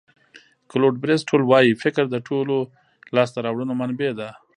کلوډ بریسټول وایي فکر د ټولو لاسته راوړنو منبع ده.